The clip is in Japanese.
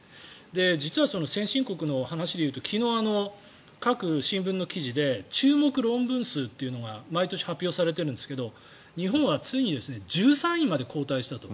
実は先進国の話でいうと昨日、各新聞の記事で注目論文数というのが毎年発表されているんですが日本はついに１３位まで後退したと。